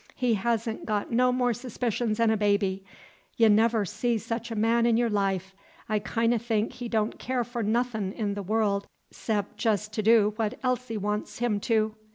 He ha'n't got no more suspicions 'n a baby, y' never see sech a man 'n y'r life. I kin' o' think he don' care for nothin' in this world 'xcep' jes' t' do what Elsie wan's him to.